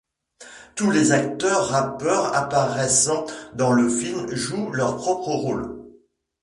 Tous les acteurs rappeurs apparaissant dans le film jouent leur propre rôle.